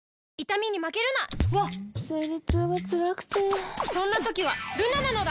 わっ生理痛がつらくてそんな時はルナなのだ！